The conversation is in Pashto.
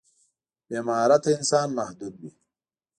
بې مهارته انسان محدود وي.